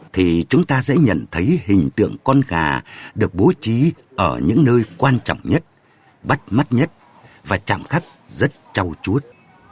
thì chúng ta sẽ nhận thấy hình tượng con gà được bố trí ở những nơi quan trọng nhất bắt mắt nhất và trạm khắc rất trao chuốt